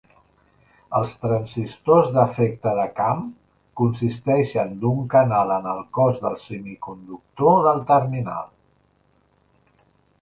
Els transistors d'efecte de camp consisteixen d'un canal en el cos del semiconductor del terminal.